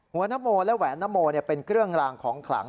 นโมและแหวนนโมเป็นเครื่องลางของขลัง